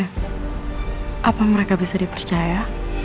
hai apa mereka bisa dipercaya